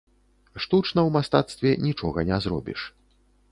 Штучна ў мастацтве нічога не зробіш.